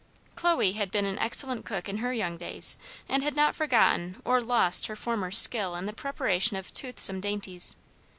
Chloe had been an excellent cook in her young days, and had not forgotten or lost her former skill in the preparation of toothsome dainties.